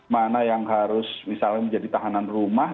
mana yang harus misalnya menjadi tahanan rumah